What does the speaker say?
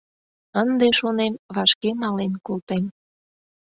Ынде, шонем, вашке мален колтем.